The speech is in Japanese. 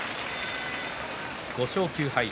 ５勝９敗。